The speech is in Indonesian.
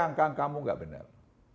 angka kamu enggak benar